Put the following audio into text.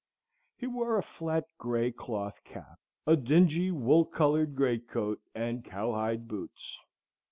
He wore a flat gray cloth cap, a dingy wool colored greatcoat, and cowhide boots.